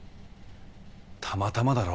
たまたまだろ。